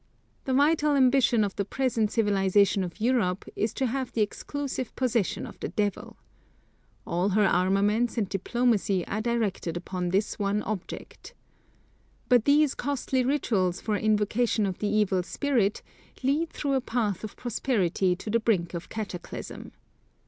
The vital ambition of the present civilisation of Europe is to have the exclusive possession of the devil. All her armaments and diplomacy are directed upon this one object. But these costly rituals for invocation of the evil spirit lead through a path of prosperity to the brink of cataclysm.